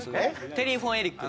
ケリー・フォン・エリック。